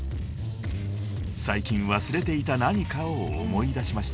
［最近忘れていた何かを思い出しました］